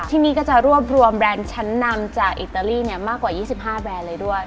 ที่นี่ก็จะรวบรวมแบรนด์ชั้นนำจากอิตาลีมากกว่า๒๕แบรนด์เลยด้วย